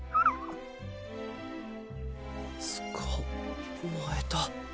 つかまえた。